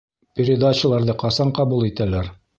Передачаларҙы ҡасан ҡабул итәләр?